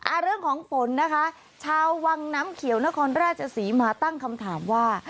เรื่องของฝนนะคะชาววังน้ำเขียวนครราชศรีมาตั้งคำถามว่า